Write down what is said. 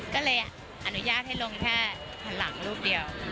ก็เลยอนุญาตให้ลงแค่หันหลังรูปเดียว